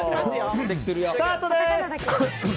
スタートです！